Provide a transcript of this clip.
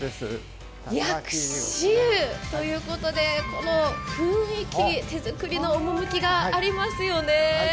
薬師湯ということでこの雰囲気、手作りの趣がありますよね。